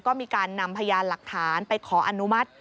ก็มีการนำพยานหลักฐานไปขออนุมัติ